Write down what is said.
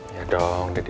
ya dong dedi